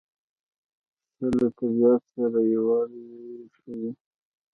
پسه له طبیعت سره یووالی ښيي.